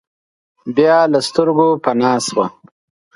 بیا له سترګو پناه شوه.